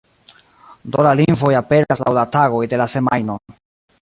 Do la lingvoj aperas laŭ la tagoj de la semajno.